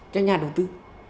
cho nhà đầu tư